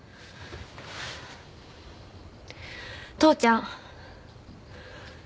父ちゃん。